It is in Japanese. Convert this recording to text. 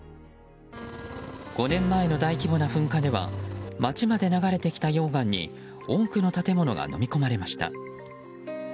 ５年前の大規模な噴火では街まで流れてきた溶岩に多くの建物がのみ込まれました。